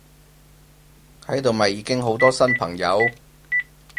喺度咪已經好多新朋友！